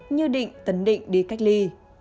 như định tấn định đi cách ly